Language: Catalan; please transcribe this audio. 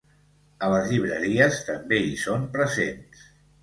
A les llibreries també hi són presents.